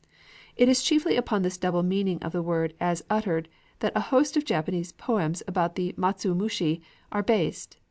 It is chiefly upon this double meaning of the word as uttered that a host of Japanese poems about the matsumushi are based.